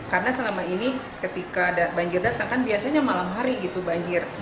karena selama ini ketika ada banjir datang kan biasanya malam hari gitu banjir